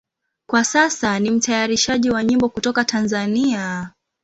Kwa sasa ni mtayarishaji wa nyimbo kutoka Tanzania.